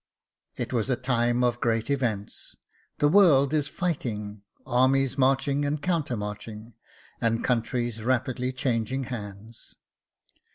It was a time of great events. The world is fighting, armies marching and counter marching, and countries rapidly changing hands.